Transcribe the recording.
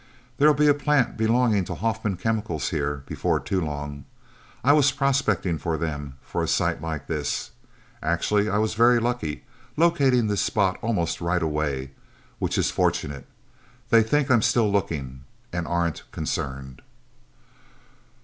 There'll be a plant belonging to Hoffman Chemicals here, before too long. I was prospecting for them, for a site like this. Actually I was very lucky, locating this spot almost right away which is fortunate. They think I'm still looking, and aren't concerned..."